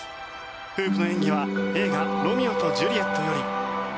フープの演技は、映画「ロミオとジュリエット」より。